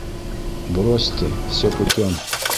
Брось ты, всё путём!